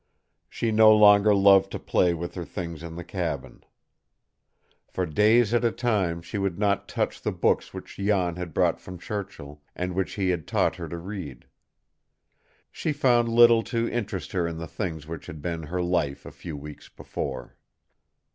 She no longer loved to play with her things in the cabin. For days at a time she would not touch the books which Jan had brought from Churchill, and which he had taught her to read. She found little to interest her in the things which had been her life a few weeks before.